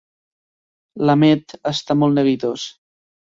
L'Ahmed està molt neguitós.